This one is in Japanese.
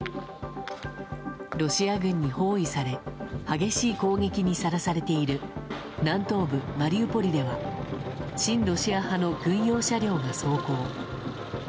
ロシア軍に包囲され激しい攻撃にさらされている南東部マリウポリでは親ロシア派の軍用車両が走行。